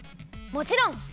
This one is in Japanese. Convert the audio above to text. もちろん！